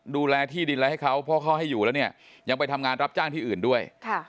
ดูแลที่ดินอะไรให้เขาเพราะเขาให้อยู่แล้วเนี่ยยังไปทำงานรับจ้างที่อื่นด้วย